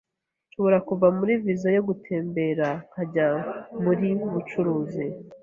Nshobora kuva muri viza yo gutembera nkajya muri bucuruzi?